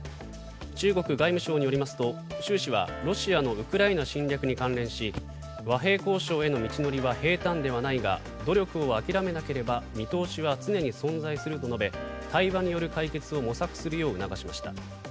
中国外務省によりますと、習氏はロシアのウクライナ侵略に関連し和平交渉への道のりは平たんではないが努力を諦めなければ見通しは常に存在すると述べ対話による解決を模索するよう促しました。